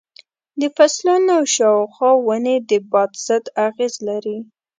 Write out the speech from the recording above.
د فصلونو شاوخوا ونې د باد ضد اغېز لري.